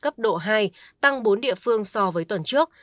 cấp độ hai tăng bốn địa phương so với tuần trước